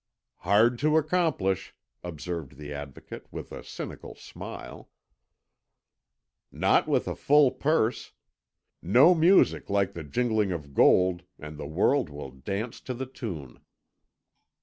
"Hard to accomplish," observed the Advocate, with a cynical smile. "Not with a full purse. No music like the jingling of gold, and the world will dance to the tune.